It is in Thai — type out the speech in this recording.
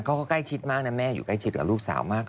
ใกล้ชิดมากนะแม่อยู่ใกล้ชิดกับลูกสาวมาก